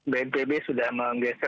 bnpb sudah menggeser